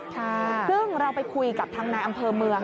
ซึ่งเราไปคุยกับทางนายอำเภอเมือง